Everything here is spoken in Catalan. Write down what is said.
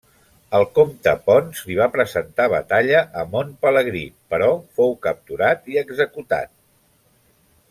El comte Ponç li va presentar batalla a Mont Pelegrí, però fou capturat i executat.